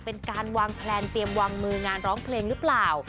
เป็นการวางแพลนเตรียมวางมืองานร้องเพลงหรือเปล่า